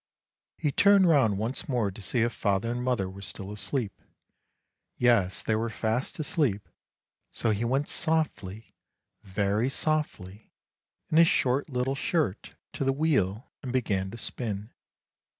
He turned round once more to see if father and mother were still asleep. Yes, they were fast asleep ; so he went softly, very softly, in his short little shirt, to the wheel and began to spin.